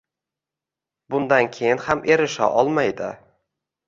Bundan keyin ham erisha olmaydi.